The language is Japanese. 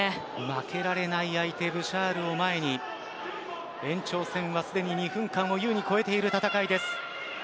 負けられない相手ブシャールを前に延長戦はすでに２分間をゆうに超えている戦いです。